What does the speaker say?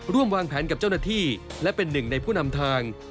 วางแผนกับเจ้าหน้าที่และเป็นหนึ่งในผู้นำทาง